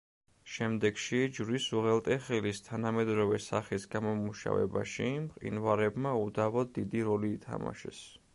შემდეგში, ჯვრის უღელტეხილის თანამედროვე სახის გამომუშავებაში, მყინვარებმა უდავოდ დიდი როლი ითამაშეს.